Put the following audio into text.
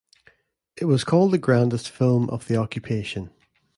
It was called the grandest film of the Occupation.